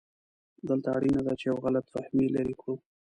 دلته اړینه ده چې یو غلط فهمي لرې کړو.